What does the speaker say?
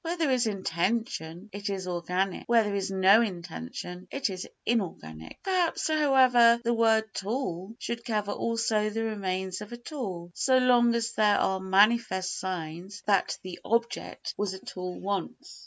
Where there is intention it is organic, where there is no intention it is inorganic. Perhaps, however, the word "tool" should cover also the remains of a tool so long as there are manifest signs that the object was a tool once.